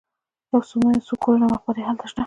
یوه صومعه، څو کورونه او مقبرې هلته شته.